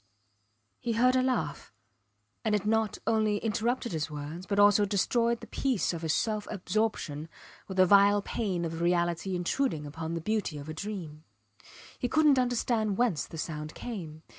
. He heard a laugh, and it not only interrupted his words but also destroyed the peace of his self absorption with the vile pain of a reality intruding upon the beauty of a dream. He couldnt understand whence the sound came.